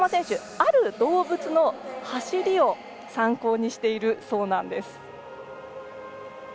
ある動物の走りを参考にしているそうなんです。